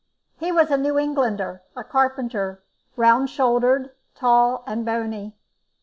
He was a New Englander, a carpenter, round shouldered, tall and bony.